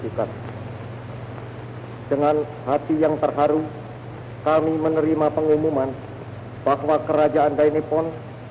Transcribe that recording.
jenderal angkatan darat kekaisaran jepang kunaiki koiso